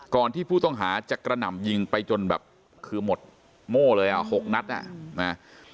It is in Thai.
ก่อนที่ผู้ต้องหาจะกระหน่ำยิงไปจนแบบคือหมดโม่เลยอ่ะ๖นัดอ่ะนะ